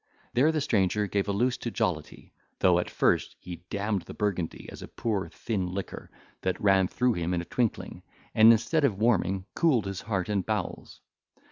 There the stranger gave a loose to jollity; though at first he d— ed the burgundy as a poor thin liquor, that ran through him in a twinkling, and, instead of warming, cooled his heart and bowels.